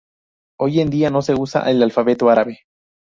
Hoy en día, no se usa el alfabeto árabe.